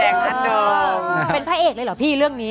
เป็นพระเอกเลยเหรอพี่เรื่องนี้